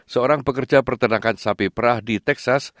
seorang pekerja pertanakan sapi perah di texas